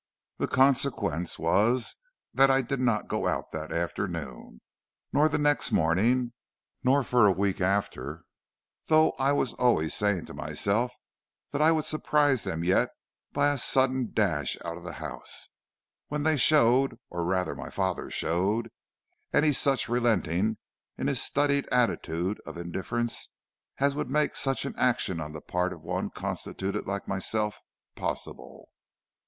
"The consequence was that I did not go out that afternoon, nor the next morning, nor for a week after, though I was always saying to myself that I would surprise them yet by a sudden dash out of the house when they showed, or rather my father showed, any such relenting in his studied attitude of indifference as would make such an action on the part of one constituted like myself, possible.